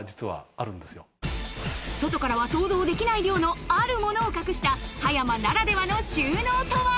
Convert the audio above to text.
外からは想像できない量のあるものを隠した葉山ならでは？